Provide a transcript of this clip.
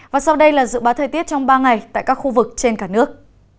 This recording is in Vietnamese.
và sau đây là dự báo thời tiết trong ba ngày tại các khu vực trên cả nước